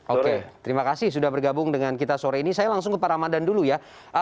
oke terima kasih sudah bergabung dengan kita sore ini saya langsung ke pak ramadhan dulu ya